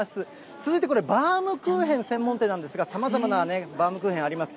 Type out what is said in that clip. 続いて、これ、バウムクーヘン専門店なんですが、さまざまなバウムクーヘンあります。